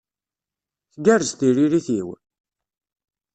Tgerrez tiririt-iw?